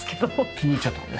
気に入っちゃったのね。